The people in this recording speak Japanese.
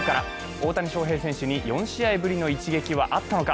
大谷翔平選手に４試合ぶりの一撃はあったのか？